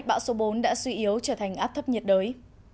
bão số bốn đã suy yếu trở thành áp thấp nhiệt đới